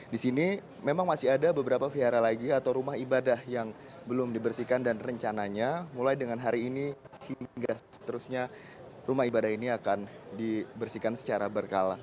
di sini memang masih ada beberapa vihara lagi atau rumah ibadah yang belum dibersihkan dan rencananya mulai dengan hari ini hingga seterusnya rumah ibadah ini akan dibersihkan secara berkala